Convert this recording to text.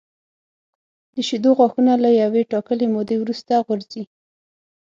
د شېدو غاښونه له یوې ټاکلې مودې وروسته غورځي.